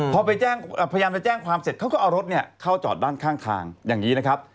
พอไปแจ้งพยายามจะแจ้งความเสร็จเขาก็เอารถเข้าจอดด้านข้างทางอย่างนี้นะครับ